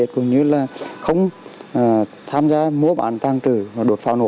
công an tăng trữ đột pháo nổ